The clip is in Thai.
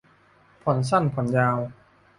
ผ่อนสั้นผ่อนยาว